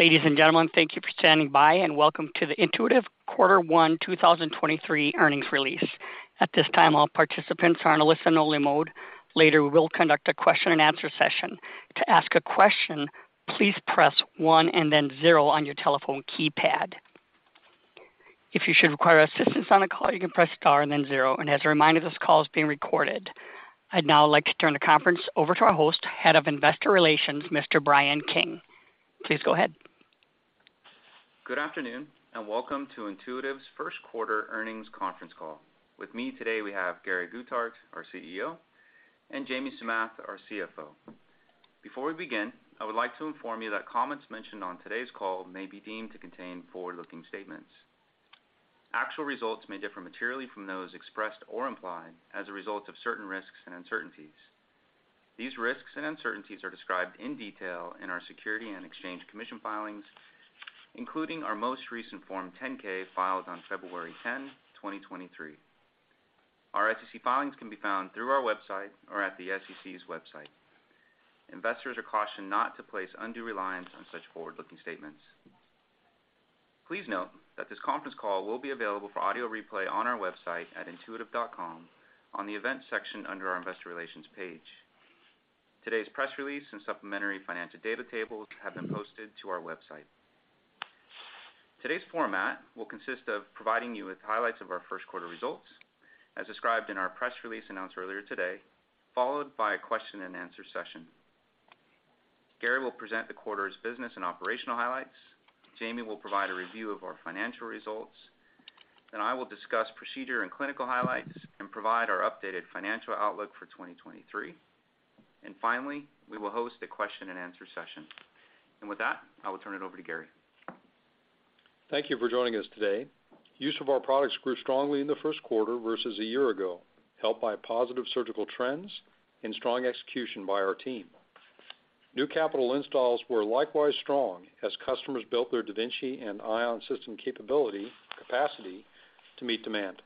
Ladies and gentlemen, thank you for standing by, and welcome to the Intuitive quarter 1 2023 earnings release. At this time, all participants are in a listen only mode. Later, we will conduct a question-and-answer session. To ask a question, please press one and then zero on your telephone keypad. If you should require assistance on a call, you can press star and then zero. As a reminder, this call is being recorded. I'd now like to turn the conference over to our host, Head of Investor Relations, Mr. Brian King. Please go ahead. Good afternoon, welcome to Intuitive's first quarter earnings conference call. With me today, we have Gary Guthart, our CEO, and Jamie Samath, our CFO. Before we begin, I would like to inform you that comments mentioned on today's call may be deemed to contain forward-looking statements. Actual results may differ materially from those expressed or implied as a result of certain risks and uncertainties. These risks and uncertainties are described in detail in our Securities and Exchange Commission filings, including our most recent Form 10-K filed on February 10, 2023. Our SEC filings can be found through our website or at the SEC's website. Investors are cautioned not to place undue reliance on such forward-looking statements. Please note that this conference call will be available for audio replay on our website at intuitive.com on the Events section under our Investor Relations page. Today's press release and supplementary financial data tables have been posted to our website. Today's format will consist of providing you with highlights of our first quarter results as described in our press release announced earlier today, followed by a question-and-answer session. Gary will present the quarter's business and operational highlights. Jamie will provide a review of our financial results. I will discuss procedure and clinical highlights and provide our updated financial outlook for 2023. Finally, we will host a question-and-answer session. With that, I will turn it over to Gary. Thank you for joining us today. Use of our products grew strongly in the 1st quarter versus a year ago, helped by positive surgical trends and strong execution by our team. New capital installs were likewise strong as customers built their da Vinci and Ion system capability capacity to meet demand.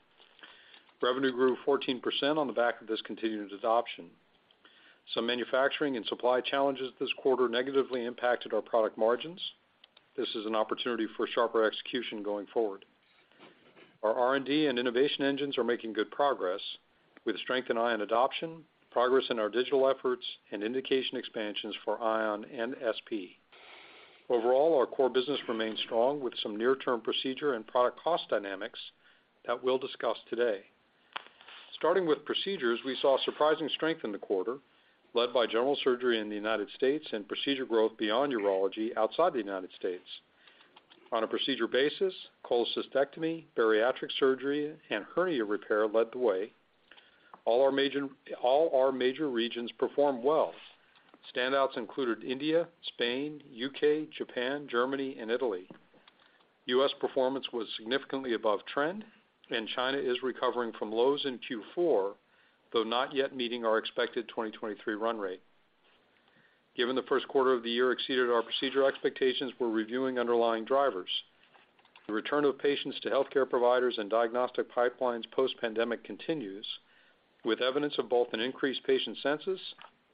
Revenue grew 14% on the back of this continued adoption. Some manufacturing and supply challenges this quarter negatively impacted our product margins. This is an opportunity for sharper execution going forward. Our R&D and innovation engines are making good progress with strength in Ion adoption, progress in our digital efforts, and indication expansions for Ion and SP. Overall, our core business remains strong with some near-term procedure and product cost dynamics that we'll discuss today. Starting with procedures, we saw surprising strength in the quarter led by general surgery in the United States and procedure growth beyond urology outside the United States. On a procedure basis, cholecystectomy, bariatric surgery, and hernia repair led the way. All our major regions performed well. Standouts included India, Spain, UK, Japan, Germany, and Italy. U.S. performance was significantly above trend, and China is recovering from lows in Q4, though not yet meeting our expected 2023 run rate. Given the first quarter of the year exceeded our procedure expectations, we're reviewing underlying drivers. The return of patients to healthcare providers and diagnostic pipelines post-pandemic continues, with evidence of both an increased patient census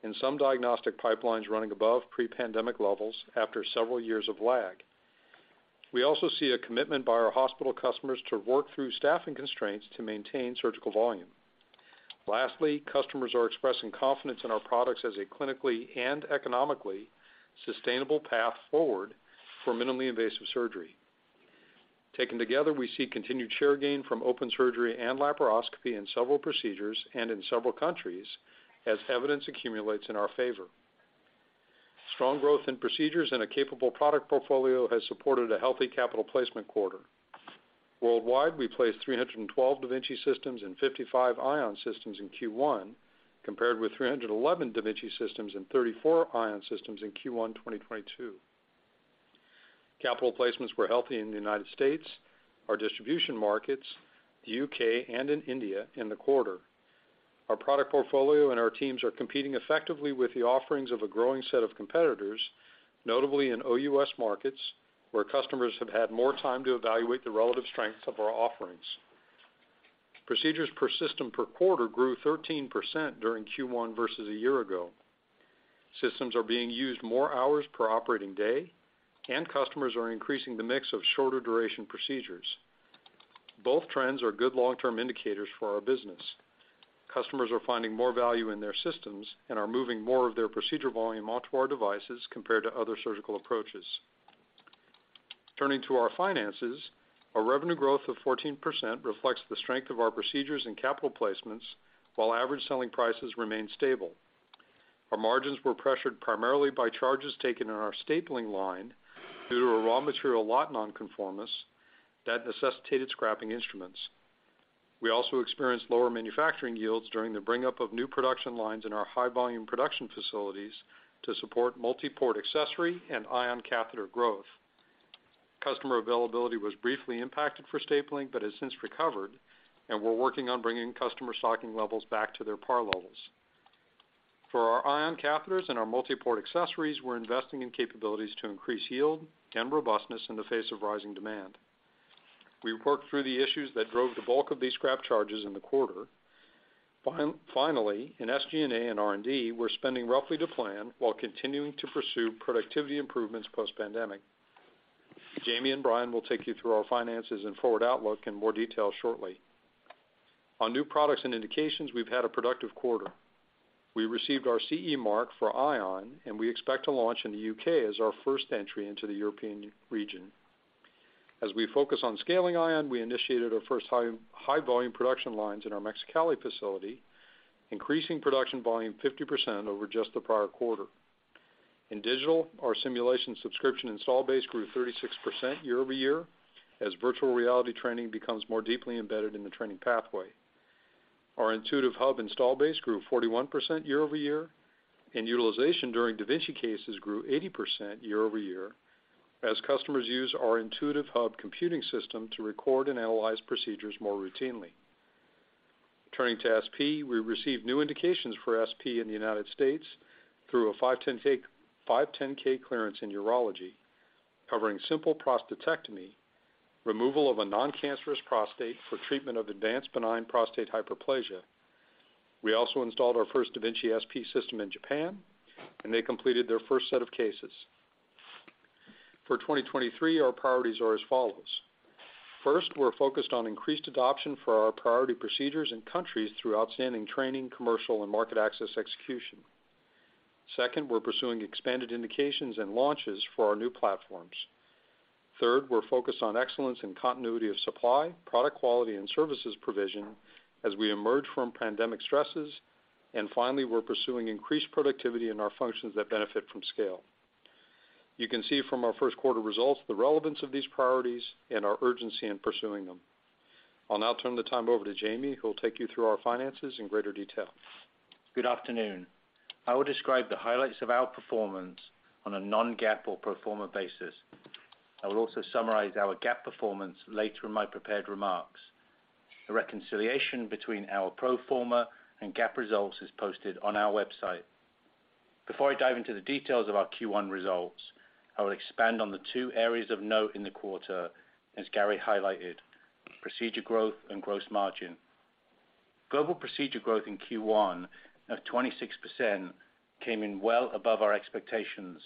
and some diagnostic pipelines running above pre-pandemic levels after several years of lag. We also see a commitment by our hospital customers to work through staffing constraints to maintain surgical volume. Lastly, customers are expressing confidence in our products as a clinically and economically sustainable path forward for minimally invasive surgery. Taken together, we see continued share gain from open surgery and laparoscopy in several procedures and in several countries as evidence accumulates in our favor. Strong growth in procedures and a capable product portfolio has supported a healthy capital placement quarter. Worldwide, we placed 312 da Vinci systems and 55 Ion systems in Q1, compared with 311 da Vinci systems and 34 Ion systems in Q1 2022. Capital placements were healthy in the United States, our distribution markets, the U.K., and in India in the quarter. Our product portfolio and our teams are competing effectively with the offerings of a growing set of competitors, notably in OUS markets, where customers have had more time to evaluate the relative strengths of our offerings. Procedures per system per quarter grew 13% during Q1 versus a year ago. Systems are being used more hours per operating day, customers are increasing the mix of shorter duration procedures. Both trends are good long-term indicators for our business. Customers are finding more value in their systems and are moving more of their procedure volume onto our devices compared to other surgical approaches. Turning to our finances, our revenue growth of 14% reflects the strength of our procedures and capital placements while average selling prices remain stable. Our margins were pressured primarily by charges taken in our stapling line due to a raw material lot nonconformance that necessitated scrapping instruments. We also experienced lower manufacturing yields during the bring up of new production lines in our high volume production facilities to support multi-port accessory and Ion catheter growth. Customer availability was briefly impacted for stapling, but has since recovered, and we're working on bringing customer stocking levels back to their par levels. For our Ion catheters and our multi-port accessories, we're investing in capabilities to increase yield and robustness in the face of rising demand. We worked through the issues that drove the bulk of these scrap charges in the quarter. Fin-finally, in SG&A and R&D, we're spending roughly to plan while continuing to pursue productivity improvements post-pandemic. Jamie and Brian will take you through our finances and forward outlook in more detail shortly. On new products and indications, we've had a productive quarter. We received our CE Mark for Ion, and we expect to launch in the U.K. as our first entry into the European region. As we focus on scaling Ion, we initiated our first high-volume production lines in our Mexicali facility, increasing production volume 50% over just the prior quarter. In digital, our simulation subscription install base grew 36% year-over-year as virtual reality training becomes more deeply embedded in the training pathway. Our Intuitive Hub install base grew 41% year-over-year, and utilization during da Vinci cases grew 80% year-over-year as customers use our Intuitive Hub computing system to record and analyze procedures more routinely. Turning to SP, we received new indications for SP in the United States through a 510(k) clearance in urology, covering simple prostatectomy, removal of a Non-cancerous prostate for treatment of advanced benign prostatic hyperplasia. We also installed our first da Vinci SP system in Japan, and they completed their first set of cases. For 2023, our priorities are as follows. First, we're focused on increased adoption for our priority procedures and countries through outstanding training, commercial, and market access execution. Second, we're pursuing expanded indications and launches for our new platforms. Third, we're focused on excellence and continuity of supply, product quality, and services provision as we emerge from pandemic stresses. Finally, we're pursuing increased productivity in our functions that benefit from scale. You can see from our first quarter results the relevance of these priorities and our urgency in pursuing them. I'll now turn the time over to Jamie, who will take you through our finances in greater detail. Good afternoon. I will describe the highlights of our performance on a Non-GAAP or pro forma basis. I will also summarize our GAAP performance later in my prepared remarks. The reconciliation between our pro forma and GAAP results is posted on our website. Before I dive into the details of our Q1 results, I will expand on the two areas of note in the quarter, as Gary highlighted: procedure growth and gross margin. Global procedure growth in Q1 of 26% came in well above our expectations,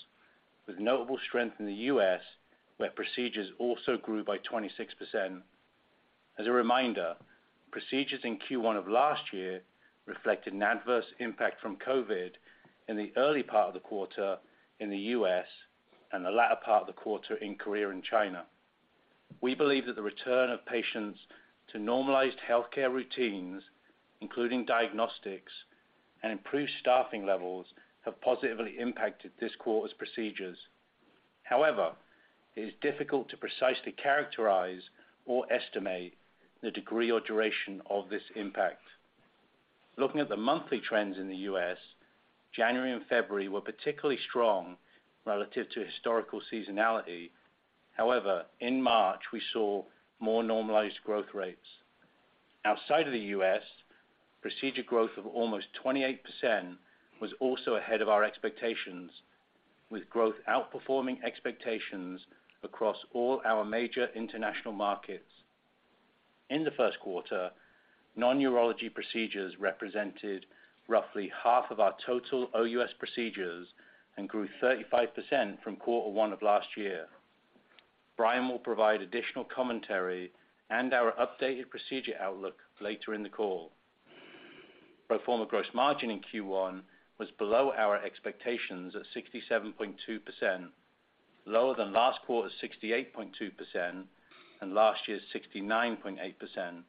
with notable strength in the U.S., where procedures also grew by 26%. As a reminder, procedures in Q1 of last year reflected an adverse impact from COVID in the early part of the quarter in the U.S. and the latter part of the quarter in Korea and China. We believe that the return of patients to normalized healthcare routines, including diagnostics and improved staffing levels, have positively impacted this quarter's procedures. It is difficult to precisely characterize or estimate the degree or duration of this impact. Looking at the monthly trends in the U.S., January and February were particularly strong relative to historical seasonality. In March, we saw more normalized growth rates. Outside of the U.S., procedure growth of almost 28% was also ahead of our expectations, with growth outperforming expectations across all our major international markets. In the first quarter, non-urology procedures represented roughly half of our total OUS procedures and grew 35% from quarter one of last year. Brian will provide additional commentary and our updated procedure outlook later in the call. Pro forma gross margin in Q1 was below our expectations at 67.2%, lower than last quarter's 68.2% and last year's 69.8%.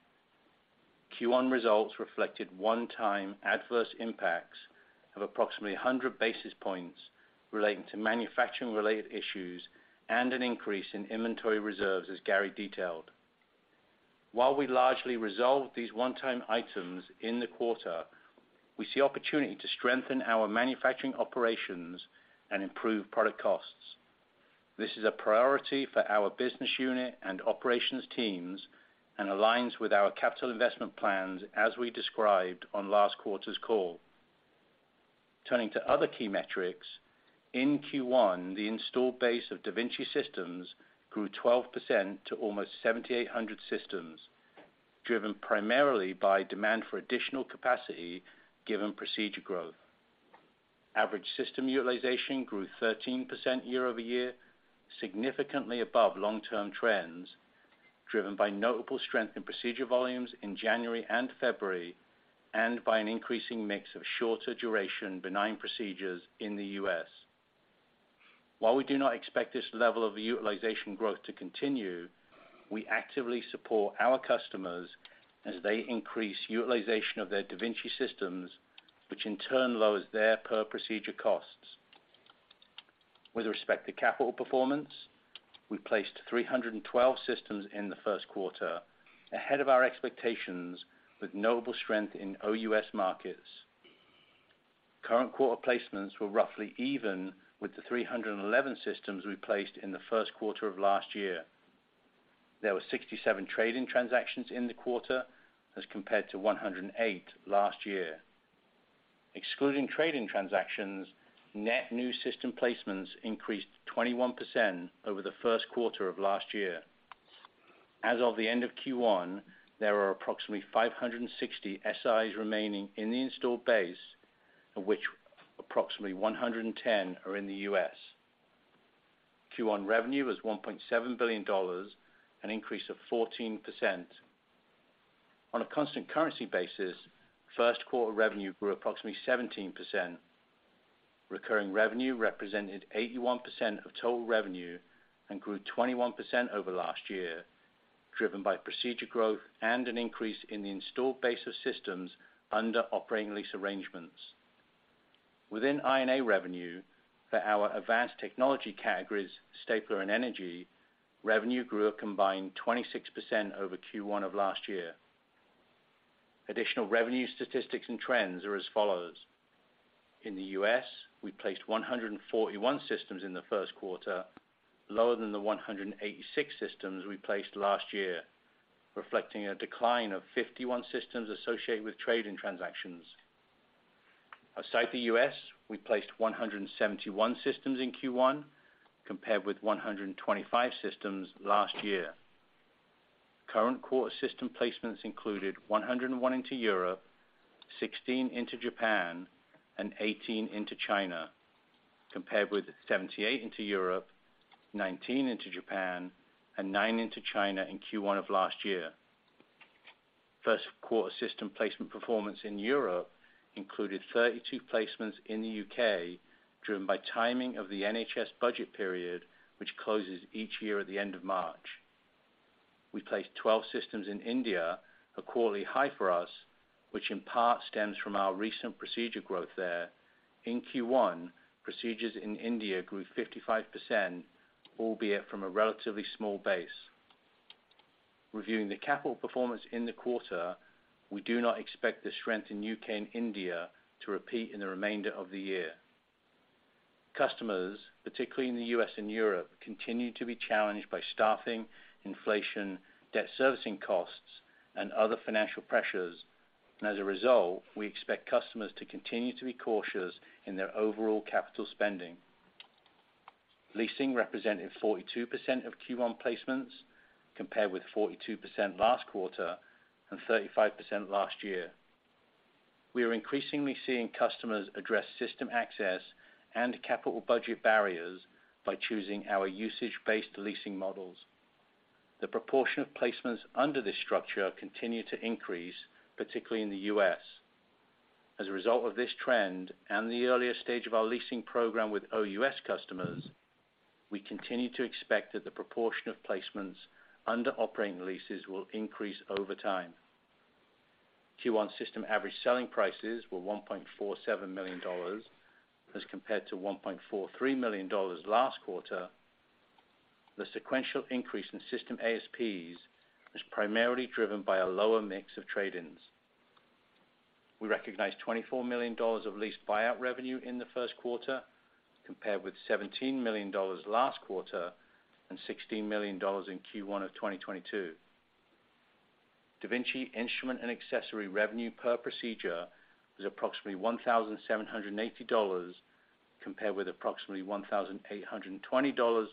Q1 results reflected one-time adverse impacts of approximately 100 basis points relating to manufacturing-related issues and an increase in inventory reserves, as Gary detailed. While we largely resolved these one-time items in the quarter, we see opportunity to strengthen our manufacturing operations and improve product costs. This is a priority for our business unit and operations teams and aligns with our capital investment plans as we described on last quarter's call. Turning to other key metrics, in Q1, the installed base of da Vinci systems grew 12% to almost 7,800 systems, driven primarily by demand for additional capacity given procedure growth. Average system utilization grew 13% year-over-year, significantly above long-term trends, driven by notable strength in procedure volumes in January and February and by an increasing mix of shorter duration benign procedures in the U.S. While we do not expect this level of utilization growth to continue, we actively support our customers as they increase utilization of their da Vinci systems, which in turn lowers their per-procedure costs. With respect to capital performance, we placed 312 systems in the first quarter, ahead of our expectations with notable strength in OUS markets. Current quarter placements were roughly even with the 311 systems we placed in the first quarter of last year. There were 67 trade-in transactions in the quarter as compared to 108 last year. Excluding trading transactions, net new system placements increased 21% over the first quarter of last year. As of the end of Q1, there are approximately 560 Sis remaining in the installed base, of which approximately 110 are in the U.S. Q1 revenue was $1.7 billion, an increase of 14%. On a constant currency basis, first quarter revenue grew approximately 17%. Recurring revenue represented 81% of total revenue and grew 21% over last year, driven by procedure growth and an increase in the installed base of systems under operating lease arrangements. Within INA revenue for our advanced technology categories, stapler and energy, revenue grew a combined 26% over Q1 of last year. Additional revenue statistics and trends are as follows. In the U.S., we placed 141 systems in the first quarter, lower than the 186 systems we placed last year, reflecting a decline of 51 systems associated with trade-in transactions. Outside the U.S., we placed 171 systems in Q1 compared with 125 systems last year. Current quarter system placements included 101 into Europe, 16 into Japan, and 18 into China, compared with 78 into Europe, 19 into Japan, and nine into China in Q1 of last year. First quarter system placement performance in Europe included 32 placements in the U.K., driven by timing of the NHS budget period, which closes each year at the end of March. We placed 12 systems in India, a quarterly high for us, which in part stems from our recent procedure growth there. In Q1, procedures in India grew 55%, albeit from a relatively small base. Reviewing the capital performance in the quarter, we do not expect the strength in U.K. and India to repeat in the remainder of the year. Customers, particularly in the U.S. and Europe, continue to be challenged by staffing, inflation, debt servicing costs and other financial pressures. As a result, we expect customers to continue to be cautious in their overall capital spending. Leasing represented 42% of Q1 placements, compared with 42% last quarter and 35% last year. We are increasingly seeing customers address system access and capital budget barriers by choosing our usage-based leasing models. The proportion of placements under this structure continue to increase, particularly in the U.S. As a result of this trend and the earlier stage of our leasing program with OUS customers, we continue to expect that the proportion of placements under operating leases will increase over time. Q1 system average selling prices were $1.47 million, as compared to $1.43 million last quarter. The sequential increase in system ASPs was primarily driven by a lower mix of trade-ins. We recognized $24 million of lease buyout revenue in the first quarter, compared with $17 million last quarter and $16 million in Q1 of 2022. da Vinci instrument and accessory revenue per procedure was approximately $1,780, compared with approximately $1,820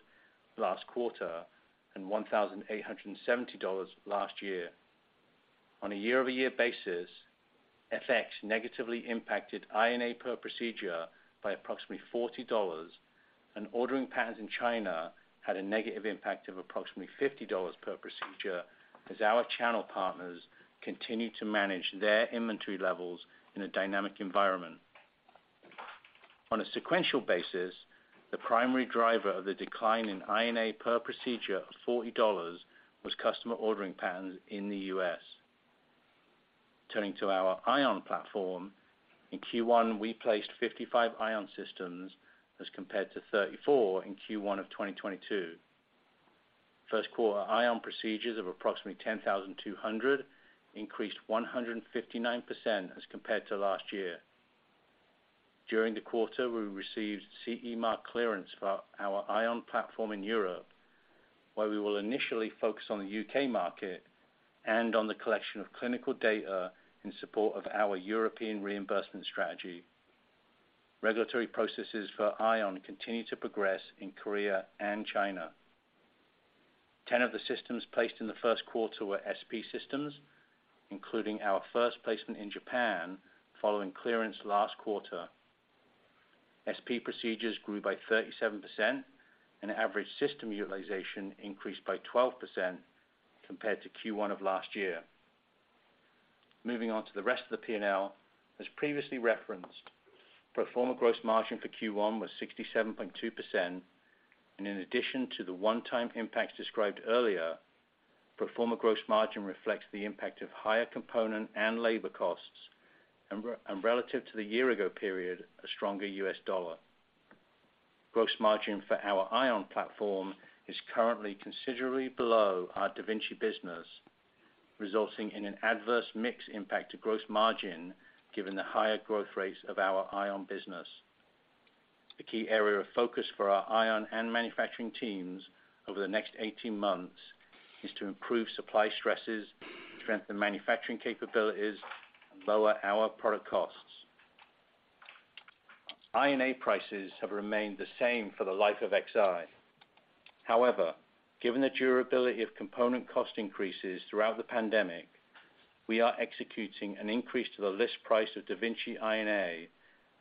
last quarter and $1,870 last year. On a year-over-year basis, FX negatively impacted INA per procedure by approximately $40, and ordering patterns in China had a negative impact of approximately $50 per procedure as our channel partners continued to manage their inventory levels in a dynamic environment. On a sequential basis, the primary driver of the decline in INA per procedure of $40 was customer ordering patterns in the U.S. Turning to our Ion platform. In Q1, we placed 55 Ion systems as compared to 34 in Q1 of 2022. First quarter Ion procedures of approximately 10,200 increased 159% as compared to last year. During the quarter, we received CE Mark clearance for our Ion platform in Europe, where we will initially focus on the UK market and on the collection of clinical data in support of our European reimbursement strategy. Regulatory processes for Ion continue to progress in Korea and China. 10 of the systems placed in the first quarter were SP systems, including our first placement in Japan following clearance last quarter. SP procedures grew by 37%, and average system utilization increased by 12% compared to Q1 of last year. Moving on to the rest of the P&L. As previously referenced, pro forma gross margin for Q1 was 67.2%. In addition to the one-time impacts described earlier, pro forma gross margin reflects the impact of higher component and labor costs, and relative to the year-ago period, a stronger US dollar. Gross margin for our Ion platform is currently considerably below our da Vinci business, resulting in an adverse mix impact to gross margin given the higher growth rates of our Ion business. The key area of focus for our Ion and manufacturing teams over the next 18 months is to improve supply stresses, strengthen manufacturing capabilities, and lower our product costs. INA prices have remained the same for the life of Xi. However, given the durability of component cost increases throughout the pandemic, we are executing an increase to the list price of da Vinci INA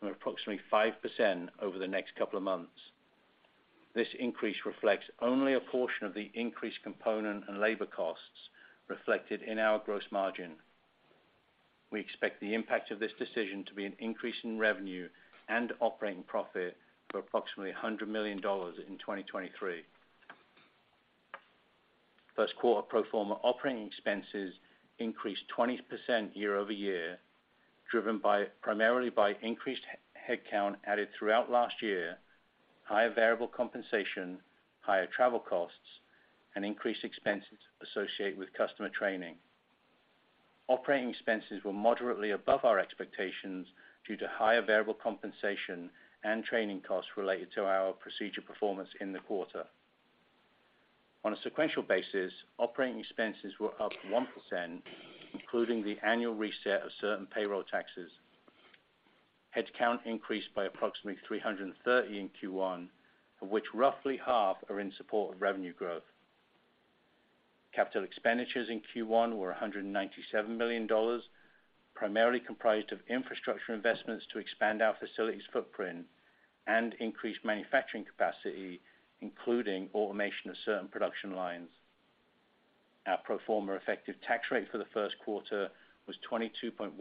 of approximately 5% over the next couple of months. This increase reflects only a portion of the increased component and labor costs reflected in our gross margin. We expect the impact of this decision to be an increase in revenue and operating profit of approximately $100 million in 2023. First quarter pro forma operating expenses increased 20% year-over-year, driven primarily by increased headcount added throughout last year, higher variable compensation, higher travel costs, and increased expenses associated with customer training. Operating expenses were moderately above our expectations due to higher variable compensation and training costs related to our procedure performance in the quarter. On a sequential basis, operating expenses were up 1%, including the annual reset of certain payroll taxes. Headcount increased by approximately 330 in Q1, of which roughly half are in support of revenue growth. Capital expenditures in Q1 were $197 million, primarily comprised of infrastructure investments to expand our facilities footprint and increase manufacturing capacity, including automation of certain production lines. Our pro forma effective tax rate for the first quarter was 22.1%,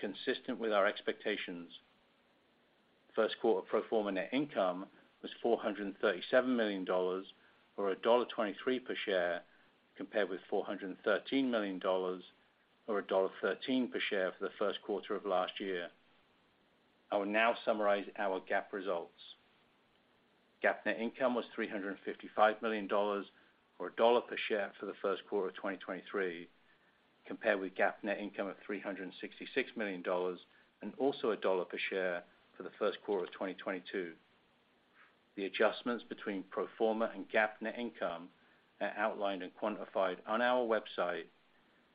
consistent with our expectations. First quarter pro forma net income was $437 million, or $1.23 per share, compared with $413 million or $1.13 per share for the first quarter of last year. I will now summarize our GAAP results. GAAP net income was $355 million or $1.00 per share for the first quarter of 2023, compared with GAAP net income of $366 million and also $1.00 per share for the first quarter of 2022. The adjustments between pro forma and GAAP net income are outlined and quantified on our website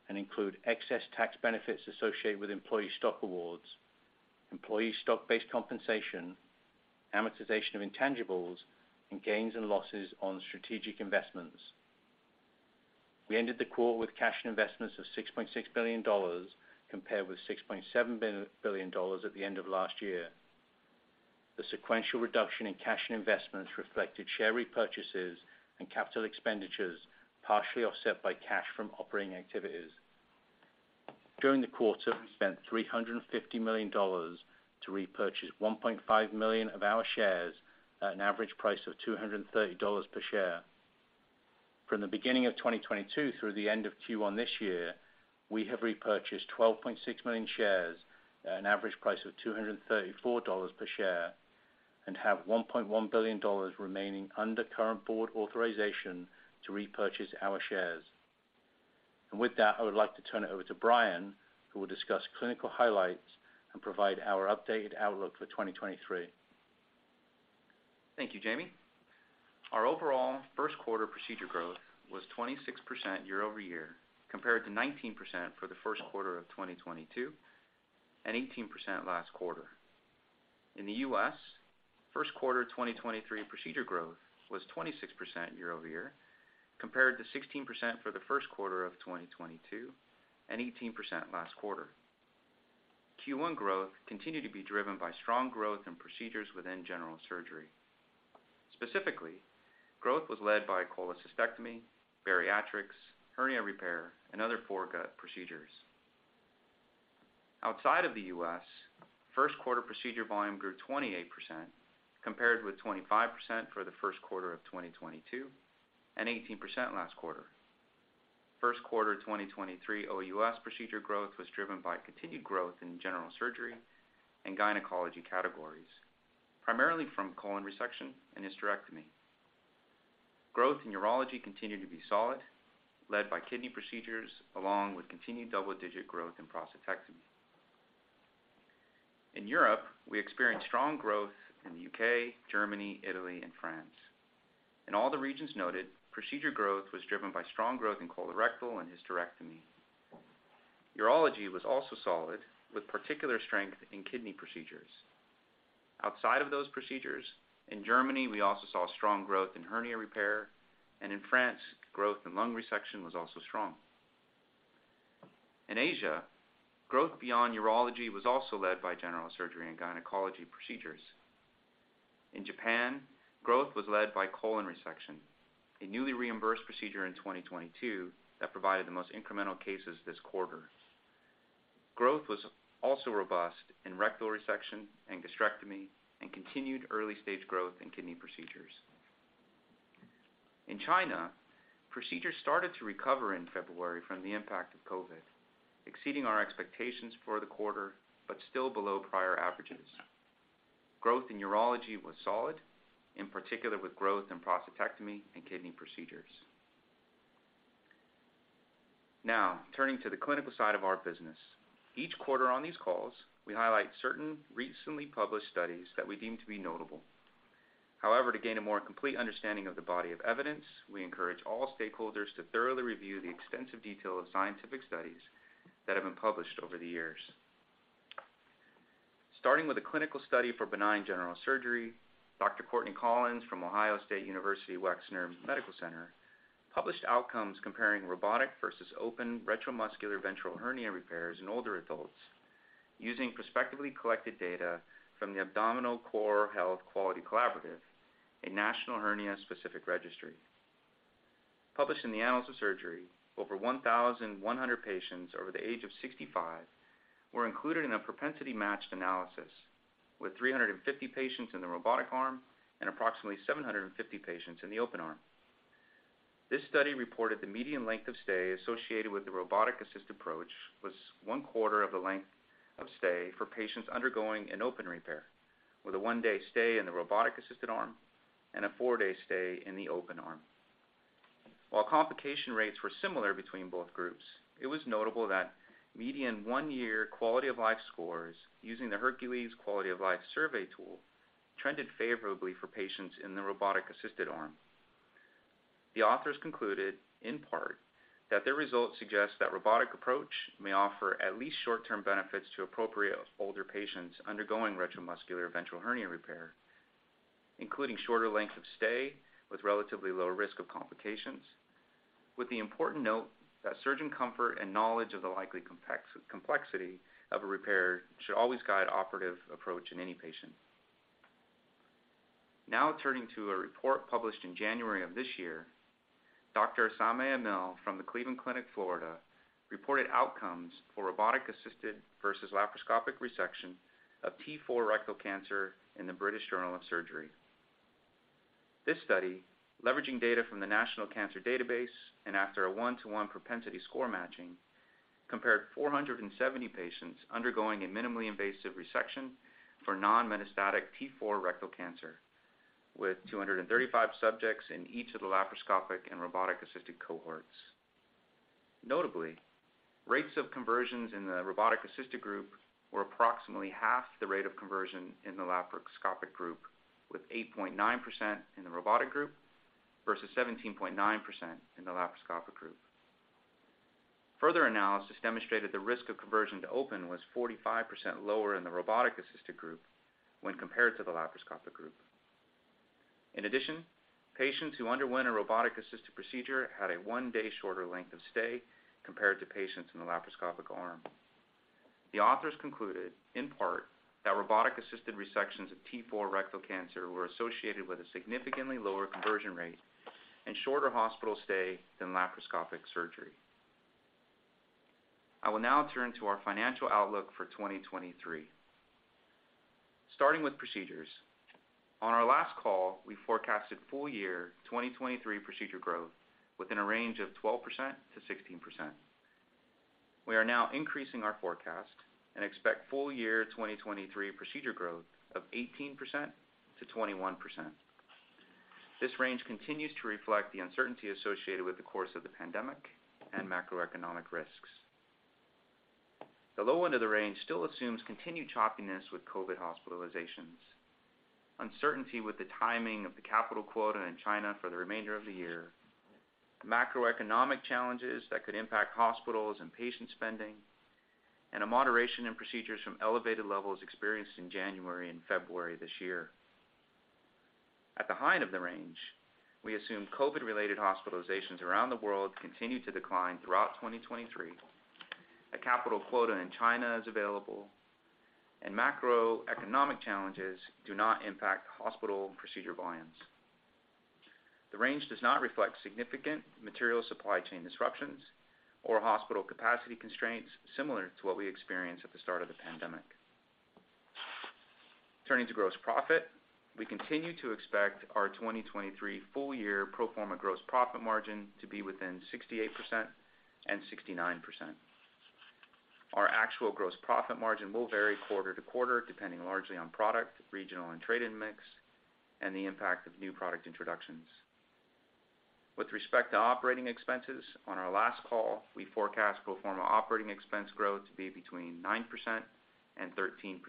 and include excess tax benefits associated with employee stock awards, employee stock-based compensation, amortization of intangibles, and gains and losses on strategic investments. We ended the quarter with cash and investments of $6.6 billion, compared with $6.7 billion at the end of last year. The sequential reduction in cash and investments reflected share repurchases and capital expenditures, partially offset by cash from operating activities. During the quarter, we spent $350 million to repurchase 1.5 million of our shares at an average price of $230 per share. From the beginning of 2022 through the end of Q1 this year, we have repurchased 12.6 million shares at an average price of $234 per share and have $1.1 billion remaining under current board authorization to repurchase our shares. With that, I would like to turn it over to Brian, who will discuss clinical highlights and provide our updated outlook for 2023. Thank you, Jamie. Our overall first quarter procedure growth was 26% year-over-year, compared to 19% for the first quarter of 2022, and 18% last quarter. In the U.S., first quarter of 2023 procedure growth was 26% year-over-year, compared to 16% for the first quarter of 2022, and 18% last quarter. Q1 growth continued to be driven by strong growth in procedures within general surgery. Specifically, growth was led by a cholecystectomy, bariatrics, hernia repair, and other foregut procedures. Outside of the U.S., first quarter procedure volume grew 28%, compared with 25% for the first quarter of 2022, and 18% last quarter. First quarter of 2023 OUS procedure growth was driven by continued growth in general surgery and gynecology categories, primarily from colon resection and hysterectomy. Growth in urology continued to be solid, led by kidney procedures, along with continued double-digit growth in prostatectomy. In Europe, we experienced strong growth in the U.K., Germany, Italy, and France. In all the regions noted, procedure growth was driven by strong growth in colorectal and hysterectomy. Urology was also solid, with particular strength in kidney procedures. Outside of those procedures, in Germany, we also saw strong growth in hernia repair, and in France, growth in lung resection was also strong. In Asia, growth beyond urology was also led by general surgery and gynecology procedures. In Japan, growth was led by colon resection, a newly reimbursed procedure in 2022 that provided the most incremental cases this quarter. Growth was also robust in rectal resection and gastrectomy and continued early-stage growth in kidney procedures. In China, procedures started to recover in February from the impact of COVID, exceeding our expectations for the quarter, but still below prior averages. Growth in urology was solid, in particular with growth in prostatectomy and kidney procedures. Turning to the clinical side of our business. Each quarter on these calls, we highlight certain recently published studies that we deem to be notable. However, to gain a more complete understanding of the body of evidence, we encourage all stakeholders to thoroughly review the extensive detail of scientific studies that have been published over the years. Starting with a clinical study for benign general surgery, Dr. Courtney Collins from The Ohio State University Wexner Medical Center published outcomes comparing robotic versus open retromuscular ventral hernia repairs in older adults using prospectively collected data from the Abdominal Core Health Quality Collaborative, a national hernia-specific registry. Published in the Annals of Surgery, over 1,100 patients over the age of 65 were included in a propensity-matched analysis, with 350 patients in the robotic arm and approximately 750 patients in the open arm. This study reported the median length of stay associated with the robotic-assisted approach was one quarter of the length of stay for patients undergoing an open repair, with a one-day stay in the robotic-assisted arm and a four-day stay in the open arm. While complication rates were similar between both groups, it was notable that median 1-year quality of life scores using the HerQLes quality of life survey tool trended favorably for patients in the robotic-assisted arm. The authors concluded, in part, that their results suggest that robotic approach may offer at least short-term benefits to appropriate older patients undergoing retromuscular ventral hernia repair, including shorter length of stay with relatively low risk of complications. With the important note that surgeon comfort and knowledge of the likely complexity of a repair should always guide operative approach in any patient. Turning to a report published in January of this year, Dr. Sameh Emile from the Cleveland Clinic Florida reported outcomes for robotic-assisted versus laparoscopic resection of T4 rectal cancer in the British Journal of Surgery. This study, leveraging data from the National Cancer Database and after a one-to-one propensity score matching, compared 470 patients undergoing a minimally invasive resection for non-metastatic T4 rectal cancer, with 235 subjects in each of the laparoscopic and robotic-assisted cohorts. Notably, rates of conversions in the robotic-assisted group were approximately half the rate of conversion in the laparoscopic group, with 8.9% in the robotic group versus 17.9% in the laparoscopic group. Further analysis demonstrated the risk of conversion to open was 45% lower in the robotic-assisted group when compared to the laparoscopic group. In addition, patients who underwent a robotic-assisted procedure had a one-day shorter length of stay compared to patients in the laparoscopic arm. The authors concluded, in part, that robotic-assisted resections of T4 rectal cancer were associated with a significantly lower conversion rate and shorter hospital stay than laparoscopic surgery. I will now turn to our financial outlook for 2023. Starting with procedures. On our last call, we forecasted full year 2023 procedure growth within a range of 12%-16%. We are now increasing our forecast and expect full year 2023 procedure growth of 18%-21%. This range continues to reflect the uncertainty associated with the course of the pandemic and macroeconomic risks. The low end of the range still assumes continued choppiness with COVID hospitalizations, uncertainty with the timing of the capital quota in China for the remainder of the year, macroeconomic challenges that could impact hospitals and patient spending, and a moderation in procedures from elevated levels experienced in January and February this year. At the high end of the range, we assume COVID-related hospitalizations around the world continue to decline throughout 2023, a capital quota in China is available, and macroeconomic challenges do not impact hospital procedure volumes. The range does not reflect significant material supply chain disruptions or hospital capacity constraints similar to what we experienced at the start of the pandemic. Turning to gross profit, we continue to expect our 2023 full year pro forma gross profit margin to be within 68% and 69%. Our actual gross profit margin will vary quarter to quarter, depending largely on product, regional and trade in mix, and the impact of new product introductions. With respect to operating expenses, on our last call, we forecast pro forma operating expense growth to be between 9% and 13%.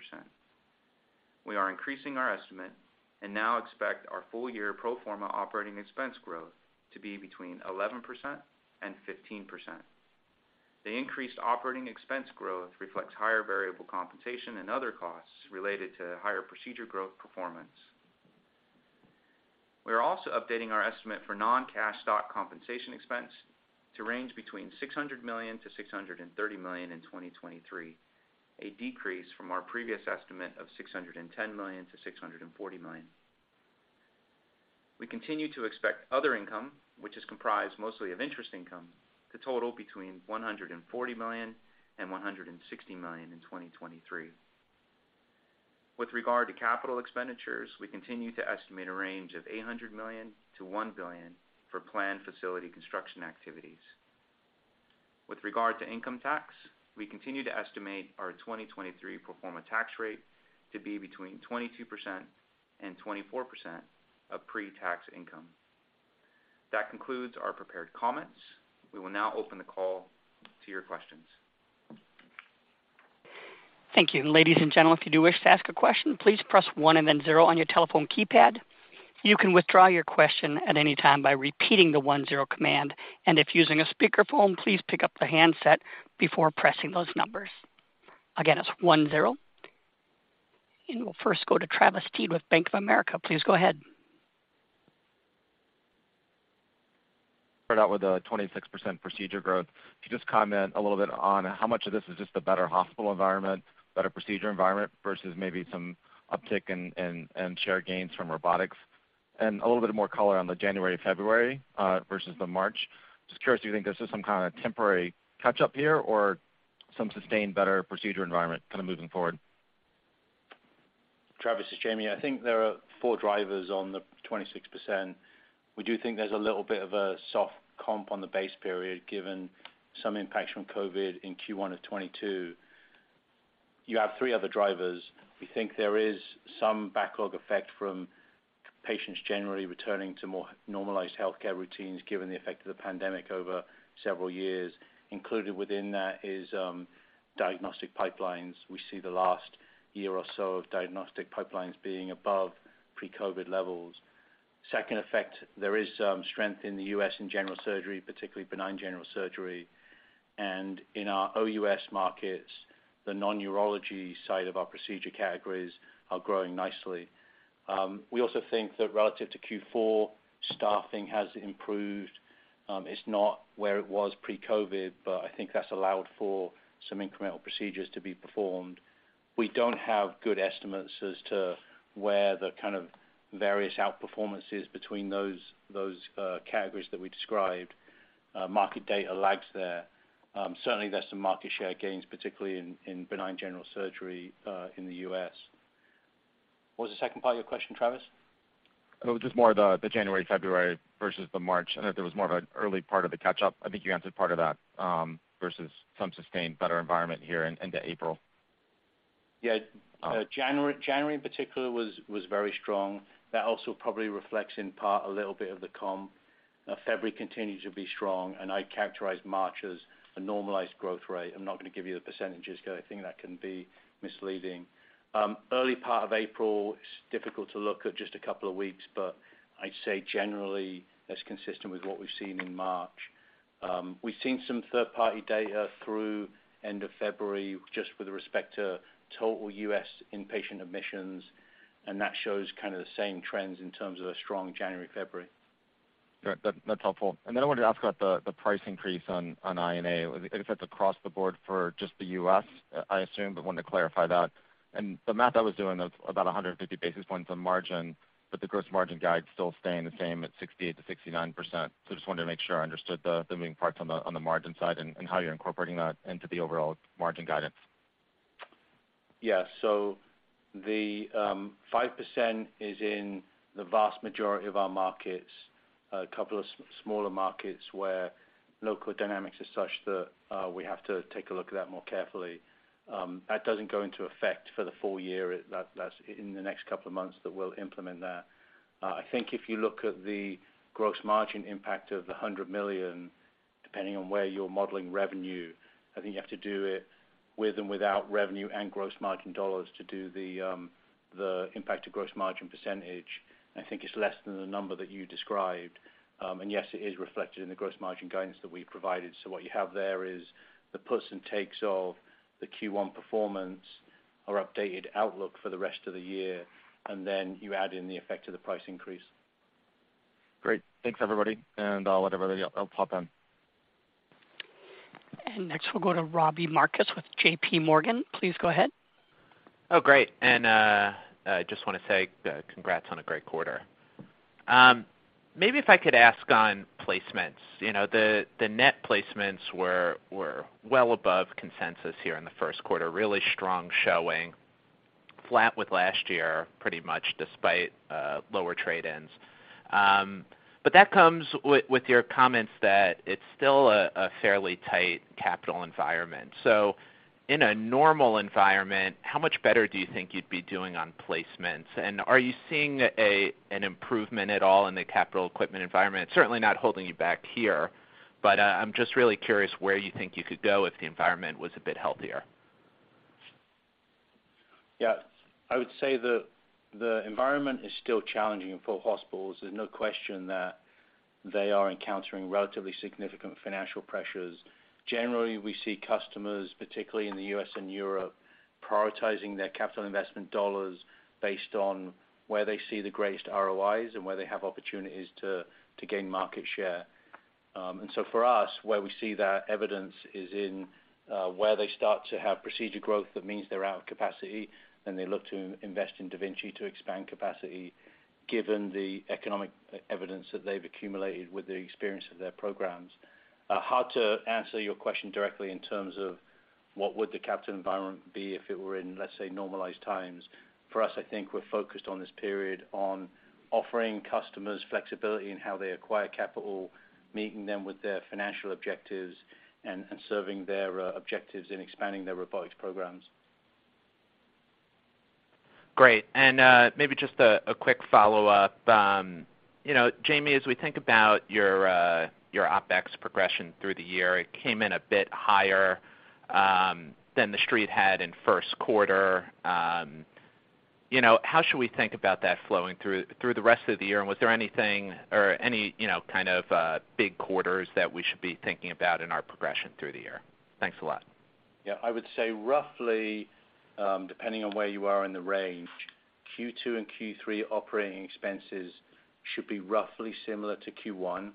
We are increasing our estimate and now expect our full year pro forma operating expense growth to be between 11% and 15%. The increased operating expense growth reflects higher variable compensation and other costs related to higher procedure growth performance. We are also updating our estimate for non-cash stock compensation expense to range between $600 million-$630 million in 2023, a decrease from our previous estimate of $610 million-$640 million. We continue to expect other income, which is comprised mostly of interest income, to total between $140 million and $160 million in 2023. With regard to capital expenditures, we continue to estimate a range of $800 million-$1 billion for planned facility construction activities. With regard to income tax, we continue to estimate our 2023 q forma tax rate to be between 22%. 24% of pre-tax income. That concludes our prepared comments. We will now open the call to your questions. Thank you. Ladies and gentlemen, if you do wish to ask a question, please press one and then zero on your telephone keypad. You can withdraw your question at any time by repeating the one zero command. If using a speakerphone, please pick up the handset before pressing those numbers. Again, it's one zero. We'll first go to Travis Steed with Bank of America. Please go ahead. Start out with a 26% procedure growth. Could you just comment a little bit on how much of this is just the better hospital environment, better procedure environment versus maybe some uptick in share gains from robotics? A little bit more color on the January, February versus the March. Just curious, do you think this is some kind of temporary catch-up here or some sustained better procedure environment kind of moving forward? Travis, it's Jamie. I think there are four drivers on the 26%. We do think there's a little bit of a soft comp on the base period, given some impacts from COVID in Q1 of 2022. You have three other drivers. We think there is some backlog effect from patients generally returning to more normalized healthcare routines, given the effect of the pandemic over several years. Included within that is diagnostic pipelines. We see the last year or so of diagnostic pipelines being above pre-COVID levels. Second effect, there is strength in the U.S. in general surgery, particularly benign general surgery. In our OUS markets, the non-urology side of our procedure categories are growing nicely. We also think that relative to Q4, staffing has improved. It's not where it was pre-COVID, but I think that's allowed for some incremental procedures to be performed. We don't have good estimates as to where the kind of various outperformance is between those categories that we described. Market data lags there. Certainly, there's some market share gains, particularly in benign general surgery, in the U.S. What was the second part of your question, Travis? It was just more the January, February versus the March, and if there was more of an early part of the catch-up. I think you answered part of that, versus some sustained better environment here into April. Yeah. Uh- January, in particular, was very strong. That also probably reflects in part a little bit of the comp. February continued to be strong. I characterize March as a normalized growth rate. I'm not gonna give you the % because I think that can be misleading. Early part of April, it's difficult to look at just a couple of weeks, but I'd say generally that's consistent with what we've seen in March. We've seen some third-party data through end of February just with respect to total U.S. inpatient admissions. That shows kind of the same trends in terms of a strong January, February. Great. That's helpful. I wanted to ask about the price increase on INA. I think that's across the board for just the U.S., I assume, but wanted to clarify that. The math I was doing, that's about 150 basis points on margin, but the gross margin guide still staying the same at 68%-69%. Just wanted to make sure I understood the moving parts on the margin side and how you're incorporating that into the overall margin guidance. The 5% is in the vast majority of our markets. A couple of smaller markets where local dynamics are such that we have to take a look at that more carefully. That doesn't go into effect for the full year. That's in the next couple of months that we'll implement that. I think if you look at the gross margin impact of the $100 million, depending on where you're modeling revenue, I think you have to do it with and without revenue and gross margin dollars to do the impact to gross margin percentage. I think it's less than the number that you described. And yes, it is reflected in the gross margin guidance that we've provided. What you have there is the plus and takes of the Q1 performance, our updated outlook for the rest of the year, and then you add in the effect of the price increase. Great. Thanks, everybody. I'll let everybody else hop on. Next, we'll go to Robbie Marcus with JPMorgan. Please go ahead. Oh, great. I just wanna say, congrats on a great quarter. Maybe if I could ask on placements. You know, the net placements were well above consensus here in the first quarter. Really strong showing, flat with last year, pretty much despite lower trade-ins. That comes with your comments that it's still a fairly tight capital environment. In a normal environment, how much better do you think you'd be doing on placements? Are you seeing an improvement at all in the capital equipment environment? It's certainly not holding you back here, but I'm just really curious where you think you could go if the environment was a bit healthier. I would say the environment is still challenging for hospitals. There's no question that they are encountering relatively significant financial pressures. Generally, we see customers, particularly in the U.S. and Europe, prioritizing their capital investment dollars based on where they see the greatest ROIs and where they have opportunities to gain market share. For us, where we see that evidence is in where they start to have procedure growth, that means they're out of capacity, then they look to invest in da Vinci to expand capacity given the economic evidence that they've accumulated with the experience of their programs. Hard to answer your question directly in terms of what would the capital environment be if it were in, let's say, normalized times. For us, I think we're focused on this period on offering customers flexibility in how they acquire capital, meeting them with their financial objectives, and serving their objectives in expanding their robotics programs. Great. maybe just a quick follow-up. you know, Jamie, as we think about your OpEx progression through the year, it came in a bit higher than the street had in first quarter. you know, how should we think about that flowing through the rest of the year? was there anything or any, you know, kind of big quarters that we should be thinking about in our progression through the year? Thanks a lot. Yeah, I would say roughly, depending on where you are in the range, Q2 and Q3 operating expenses should be roughly similar to Q1.